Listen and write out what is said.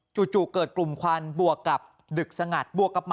จู่เกิดกลุ่มควันบวกกับ